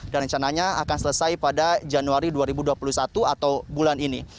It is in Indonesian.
dan rencananya akan selesai pada januari dua ribu dua puluh satu atau bulan ini